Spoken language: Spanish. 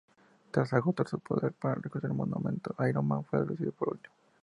Tras agotar su poder para reconstruir el monumento, Iron Man fue reducido por Ultimo.